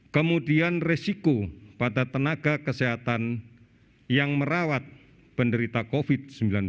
kemudian resiko pada tenaga kesehatan yang merawat penderita covid sembilan belas